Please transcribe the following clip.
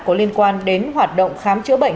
có liên quan đến hoạt động khám chữa bệnh